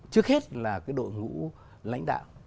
trước hết là đội ngũ lãnh đạo